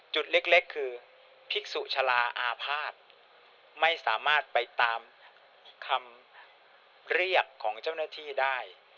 จุดเล็กคือภิกษุชาลาอาภาษณ์ไม่สามารถไปตามคำเรียกของเจ้าหน้าที่ได้